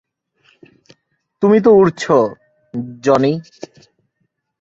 তুমি তো উড়ছ, জনি!